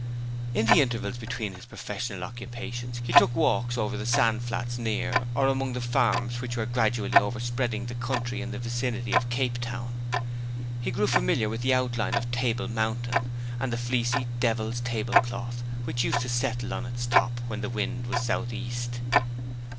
In the intervals between his professional occupations he took walks over the sand flats near, or among the farms which were gradually overspreading the country in the vicinity of Cape Town. He grew familiar with the outline of Table Mountain, and the fleecy 'Devil's Table Cloth' which used to settle on its top when the wind was south east.